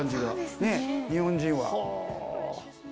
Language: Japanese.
日本人は。